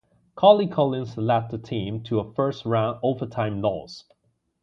Corey Collins led the team to a first round overtime loss.